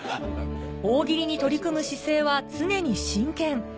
大喜利に取り組む姿勢は常に真剣。